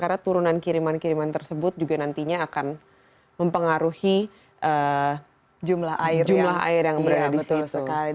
jadi kurunan kiriman kiriman tersebut juga nantinya akan mempengaruhi jumlah air yang berada di situ